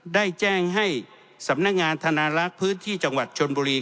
ได้แจ้งให้สำนักงานธนาลักษณ์พื้นที่จังหวัดชนบุรี